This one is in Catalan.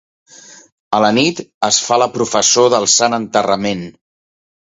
A la nit, es fa la professó del Sant Enterrament.